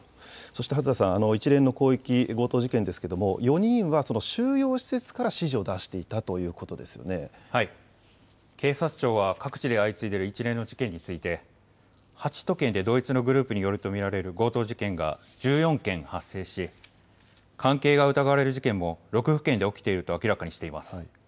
初田さん、一連の広域強盗事件ですが４人は収容施設から指示を出していたということですし警察庁は各地で相次いでいる一連の事件について、８都県で同一のグループによると見られる事件が１４件発生し、関係が疑われる事件も６府県で起きていると明らかにしています。